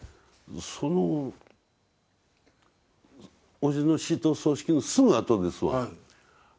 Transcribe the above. そのおじの死と葬式のすぐあとですわ。